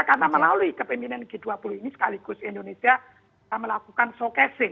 kita akan melalui kepemimpinan g dua puluh ini sekaligus indonesia kita melakukan showcasing